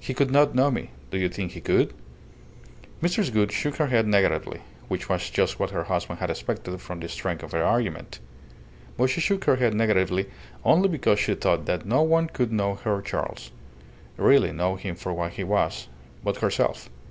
He could not know me. Do you think he could?" Mrs. Gould shook her head negatively; which was just what her husband had expected from the strength of the argument. But she shook her head negatively only because she thought that no one could know her Charles really know him for what he was but herself.